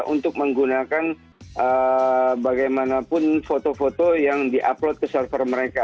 untuk menggunakan bagaimanapun foto foto yang di upload ke server mereka